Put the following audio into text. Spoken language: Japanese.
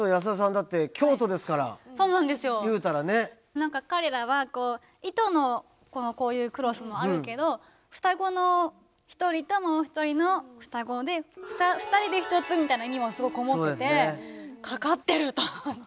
何か彼らは糸のこういうクロスもあるけど双子の一人ともう一人の双子で「ふたりでひとつ」みたいな意味もすごいこもっててかかってると思って。